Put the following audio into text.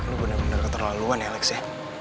lo bener bener keterlaluan ya lex ya